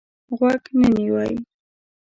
غوږ نه نیوی.